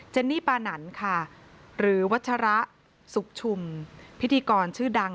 เนนี่ปานันค่ะหรือวัชระสุขชุมพิธีกรชื่อดัง